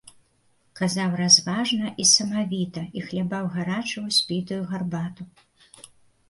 Казаў разважна і самавіта і хлябаў гарачую спітую гарбату.